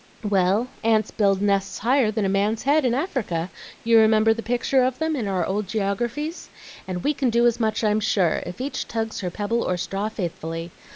"Well, ants build nests higher than a man's head in Africa; you remember the picture of them in our old geographies? And we can do as much, I'm sure, if each tugs her pebble or straw faithfully.